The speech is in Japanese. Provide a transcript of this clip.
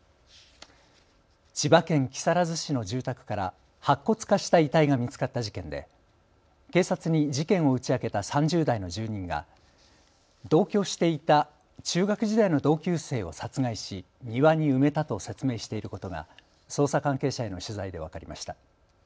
千葉県木更津市の住宅から白骨化した遺体が見つかった事件で警察に事件を打ち明けた３０代の住人が同居していた中学時代の同級生を殺害し庭に埋めたと説明していることが捜査関係者への取材で分かりました。